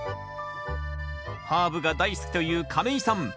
ハーブが大好きという亀井さん。